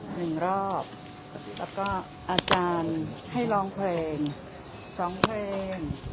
หนึ่งรอบแล้วก็อาจารย์ให้ร้องเพลงสองเพลง